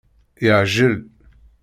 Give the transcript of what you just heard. Yeɛjel.